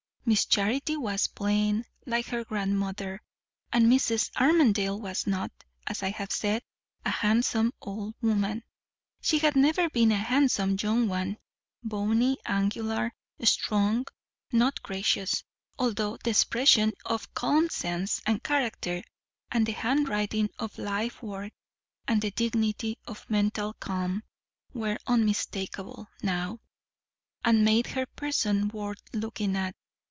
Miss Charity was plain, like her grandmother; and Mrs. Armadale was not, as I have said, a handsome old woman. She had never been a handsome young one; bony, angular, strong, not gracious; although the expression of calm sense, and character, and the handwriting of life work, and the dignity of mental calm, were unmistakeable now, and made her a person worth looking at.